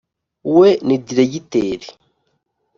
we ni diregiteri.